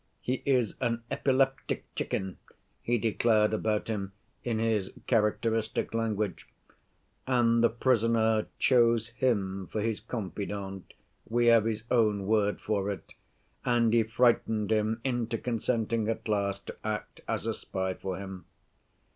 'He is an epileptic chicken,' he declared about him in his characteristic language. And the prisoner chose him for his confidant (we have his own word for it) and he frightened him into consenting at last to act as a spy for him.